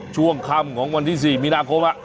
ช่วงค่ำของวันที่๔มีนาคม